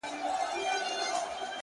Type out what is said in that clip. نوره به دي زه له ياده وباسم”